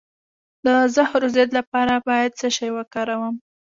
د زهرو د ضد لپاره باید څه شی وکاروم؟